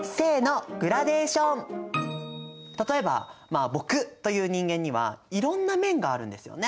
例えばまあ僕という人間にはいろんな面があるんですよね。